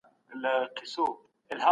زه نه شم کولای ټول پیغامونه هممهاله ولیږم.